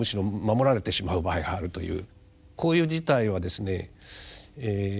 こういう事態はですねえ